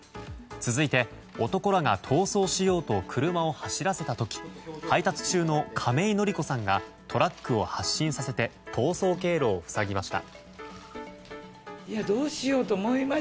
続いて男らが逃走しようと車を走らせた時配達中の亀井法子さんがトラックを発進させて逃走経路を塞ぎました。